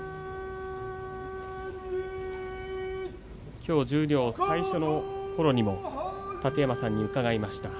きょう十両最初のころにも楯山さんに伺いました。